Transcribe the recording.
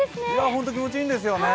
ホント気持ちいいんですよね。